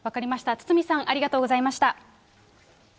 堤さん、ありがとうございました。